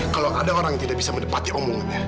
kalau ada orang yang tidak bisa menepati omongannya